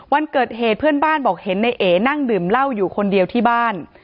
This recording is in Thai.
วันเกิดเหตุเพื่อนบ้านบอกเห็นในเอนั่งดื่มเหล้าอยู่คนเดียวที่บ้าน